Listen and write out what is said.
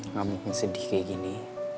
kamu pun sedih kayak gini